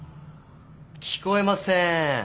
聞こえません。